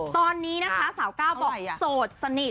ตอนนี้นะคะสาวก้าวบอกโสดสนิท